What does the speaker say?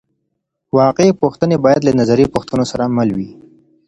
واقعي پوښتنې باید له نظري پوښتنو سره مل وي.